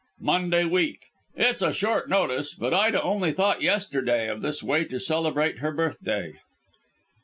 "Monday week. It's a short notice, but Ida only thought yesterday of this way to celebrate her birthday."